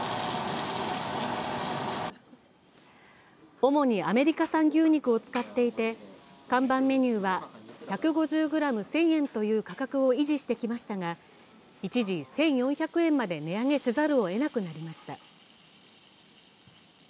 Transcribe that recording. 主にアメリカ産牛肉を使っていて、看板メニューは１５０ｇ１０００円という価格を維持してきましたが、一時１４００円まで値上げせざるをえなくなりました。